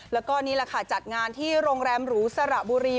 แล้วก็นี่แหละค่ะจัดงานที่โรงแรมหรูสระบุรี